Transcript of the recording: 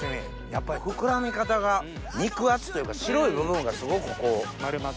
やっぱり膨らみ方が肉厚というか白い部分がすごくこう。